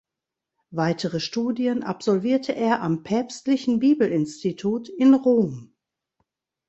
Weitere Studien absolvierte er am Päpstlichen Bibelinstitut in Rom.